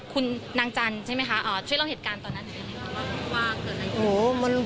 พูดสิทธิ์ข่าวธรรมดาทีวีรายงานสดจากโรงพยาบาลพระนครศรีอยุธยาครับ